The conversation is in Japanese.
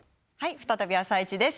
再び「あさイチ」です。